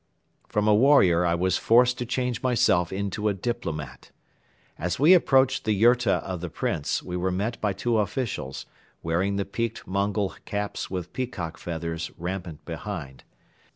From a warrior I was forced to change myself into a diplomat. As we approached the yurta of the Prince, we were met by two officials, wearing the peaked Mongol caps with peacock feathers rampants behind.